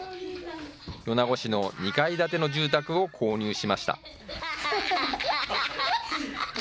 米子市の２階建ての住宅を購入しました。